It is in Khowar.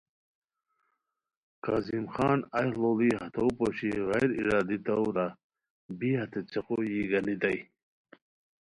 کاظم خان ایہہ لوڑی ہتو پوشی غیر ارادی طورا بی ہتے څیقو یی گانیتائے